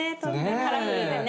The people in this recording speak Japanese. カラフルでね。